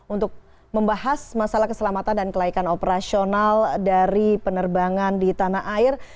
untuk membahas masalah keselamatan dan kelaikan operasional dari penerbangan di tanah air